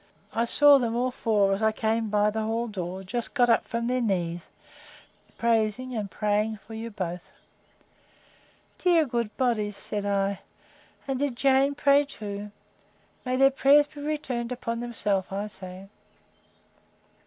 I saw them all four, as I came by the hall door, just got up from their knees, praising and praying for you both! Dear good bodies! said I; and did Jane pray too? May their prayers be returned upon themselves, I say!